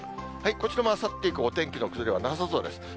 こちらもあさって以降、お天気の崩れはなさそうです。